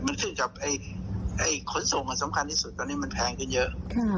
มันขึ้นกับขนส่งสำคัญที่สุดตอนนี้มันแพงขึ้นเยอะ